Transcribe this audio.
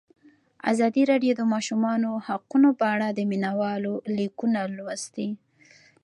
ازادي راډیو د د ماشومانو حقونه په اړه د مینه والو لیکونه لوستي.